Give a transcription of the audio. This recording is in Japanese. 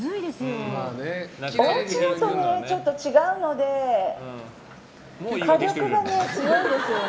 おうちのとはちょっと違うので火力が強いですよね。